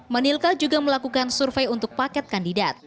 menilka juga melakukan survei untuk paket kandidat